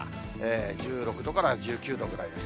１６度から１９度ぐらいです。